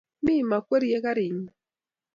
Mi kokwerie karinyi